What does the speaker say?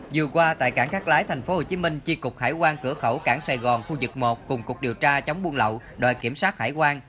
vừa qua tại cảng cát lái tp hcm chi cục hải quan cửa khẩu cảng sài gòn khu vực một cùng cục điều tra chống buôn lậu đoàn kiểm soát hải quan